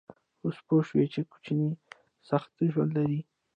_اوس پوه شوې چې کوچيان سخت ژوند لري؟